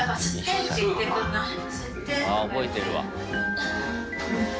あ、覚えてるわ。